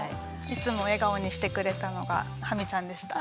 いつも笑顔にしてくれたのがハミちゃんでした。